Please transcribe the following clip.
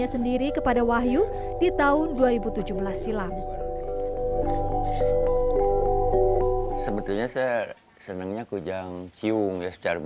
sendiri kepada wahyu di tahun dua ribu tujuh belas silam sebetulnya saya senangnya kujang ciung ya secara